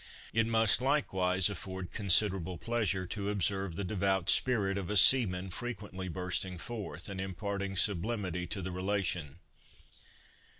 It must likewise afford considerable pleasure to observe the devout spirit of a seaman frequently bursting forth, and imparting sublimity to the relation.